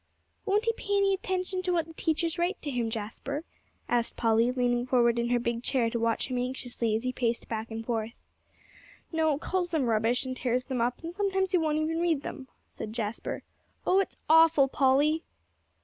"Won't he pay attention to what the teachers write to him, Jasper?" asked Polly, leaning forward in her big chair to watch him anxiously as he paced back and forth. "No, calls them rubbish, and tears them up; and sometimes he won't even read them," said Jasper. "Oh, it's awful, Polly."